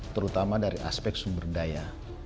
terutama dari aspek sumber daya